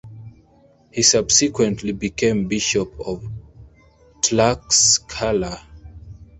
He subsequently became bishop of Tlaxcala.